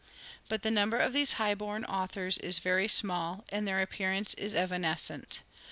But the number of these high born authors is very small and their appearance is evanescent.